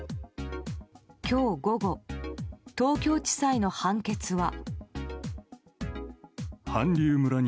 今日午後、東京地裁の判決は。